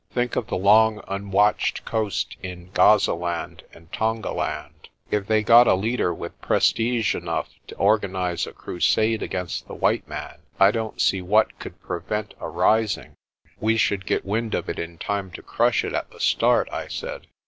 Think of the long, unwatched coast in Gazaland and Tongaland. If they got a leader with prestige enough to organise a crusade against the white man, I don't see what could prevent a rising." "We should get wind of it in time to crush it at the start," I said.